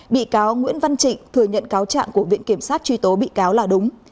bị cáo nguyễn văn trịnh thừa nhận cáo trạng của viện kiểm sát truy tố bị cáo là đúng